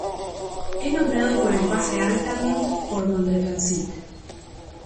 Es nombrado por el pase Altamont por dónde transita.